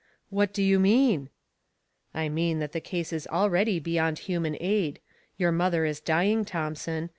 " What do you mean ?"" I mean that the case is already beyond human aid ; your mother is dying, Thomson.